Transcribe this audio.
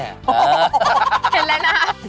เห็นอะไรนะก้ามโตโต